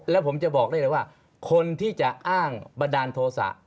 แล้วผมจะบอกได้เลยว่าคนที่จะอ้างบันดาลโทษะ